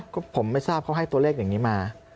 ก็ผมไม่ทราบเขาให้ตัวเลขอย่างนี้มา